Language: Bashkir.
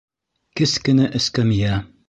Кескенә эскәмйә.